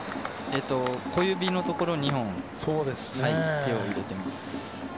小指のところ２本手を入れています。